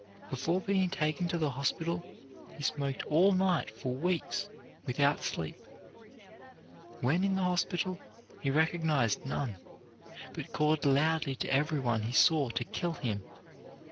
Before being taken to the hospital he smoked all night for weeks without sleep. When in the hospital he recognized none, but called loudly to everyone he saw to kill him.